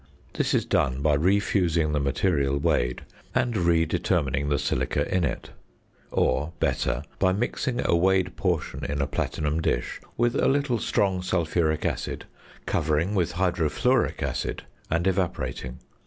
This is done by re fusing the material weighed, and re determining the silica in it; or, better, by mixing a weighed portion in a platinum dish with a little strong sulphuric acid, covering with hydrofluoric acid, and evaporating.